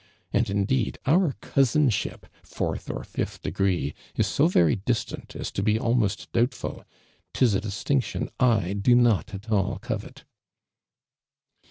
An<l, indeed, our cousinship, fourth or fifth degree, is so very distant as to be almost doui)tful. 'Tis a distinction 1 do not at all covet!"